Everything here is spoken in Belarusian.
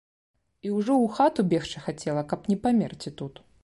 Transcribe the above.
І ўжо ў хату бегчы хацела, каб не памерці тут.